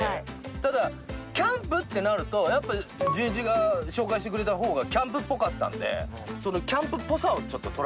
ただキャンプってなるとやっぱじゅんいちが紹介してくれた方がキャンプっぽかったのでそのキャンプっぽさをちょっと取らせて。